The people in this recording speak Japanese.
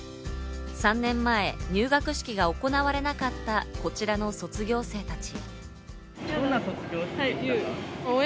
３年前、入学式が行われなかった、こちらの卒業生たち。